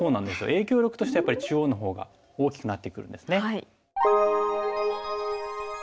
影響力としてはやっぱり中央の方が大きくなってくるんですね。